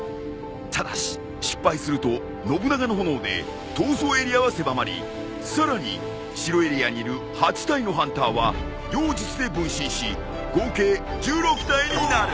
ただし失敗すると信長の炎で逃走エリアは狭まりさらに城エリアにいる８体のハンターは妖術で分身し合計１６体になる。